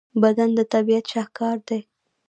بدن د طبیعت شاهکار دی.